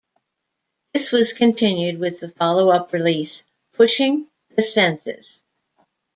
This was continued with the follow-up release "Pushing The Senses".